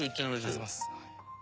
ありがとうございます。